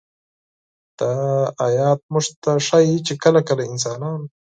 دا آيت موږ ته ښيي چې كله كله انسان